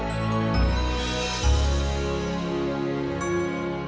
sekarang waktunya bu aminah minum susu